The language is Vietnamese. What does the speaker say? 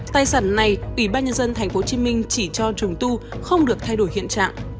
tài sản này ủy ban nhân dân tp hcm chỉ cho trùng tu không được thay đổi hiện trạng